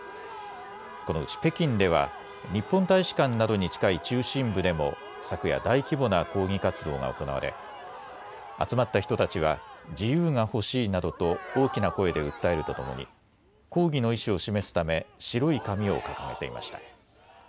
このうち北京では日本大使館などに近い中心部でも昨夜、大規模な抗議活動が行われ集まった人たちは自由が欲しいなどと大きな声で訴えるとともに抗議の意思を示すため白い紙を掲げていました。